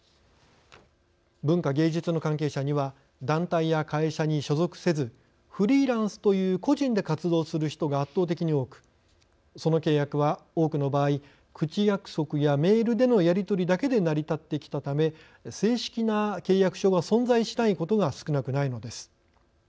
文化芸術の関係者には団体や会社に所属せずフリーランスという個人で活動する人が圧倒的に多くその契約は多くの場合口約束やメールでのやり取りだけで成り立ってきたため正式な契約書が存在しないことが少なくないのです。